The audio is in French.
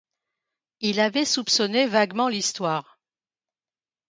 Il avait soupçonné vaguement l’histoire.